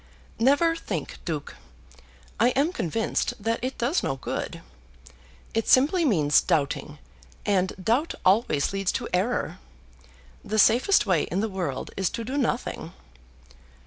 "Never think, Duke. I am convinced that it does no good. It simply means doubting, and doubt always leads to error. The safest way in the world is to do nothing."